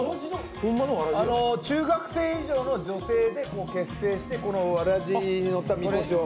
中学生以上の女性で結成してこのわらじにのったみこしを。